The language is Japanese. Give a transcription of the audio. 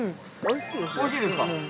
◆おいしいですよ。